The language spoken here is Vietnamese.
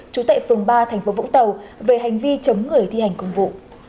trú tại phường ba thành phố vũng tàu về hành vi chống người thi hành công vụ